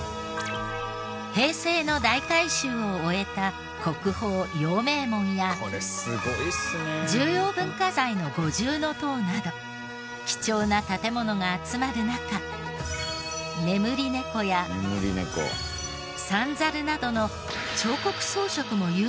平成の大改修を終えた国宝陽明門や重要文化財の五重塔など貴重な建ものが集まる中眠り猫や三猿などの。